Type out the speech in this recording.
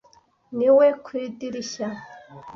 ni we ku idirishya.